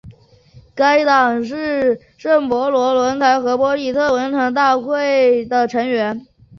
该党是圣保罗论坛和玻利瓦尔人民大会的成员。